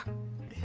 え？